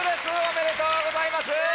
おめでとうございます！